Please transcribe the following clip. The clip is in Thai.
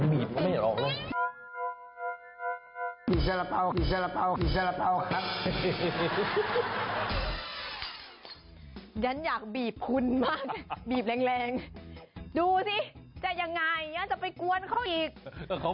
บีบเปล่าเดี๋ยวล้มออก